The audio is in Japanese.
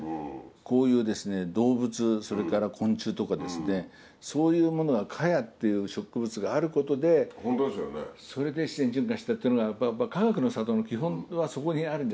こういう動物それから昆虫とかそういうものは茅っていう植物があることでそれで自然循環したっていうのはかがくの里の基本はそこにあるんじゃないかな。